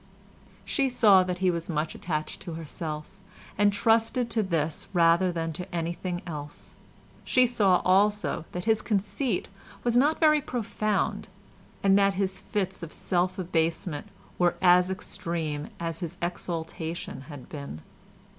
She saw that he was much attached to herself, and trusted to this rather than to anything else. She saw also that his conceit was not very profound, and that his fits of self abasement were as extreme as his exaltation had been.